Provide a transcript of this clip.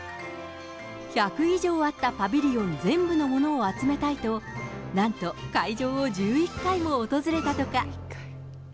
１００以上あったパビリオン全部のものを集めたいと何と会場を１１回も訪れたとか。